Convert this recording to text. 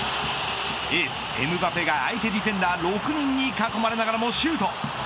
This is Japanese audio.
エース、エムバペが相手ディフェンダー６人に囲まれながらもシュート。